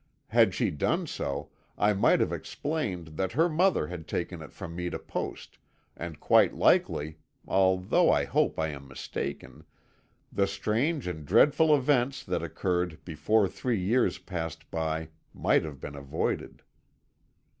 Had she done so, I might have explained that her mother had taken it from me to post, and quite likely although I hope I am mistaken the strange and dreadful events that occurred before three years passed by might have been avoided.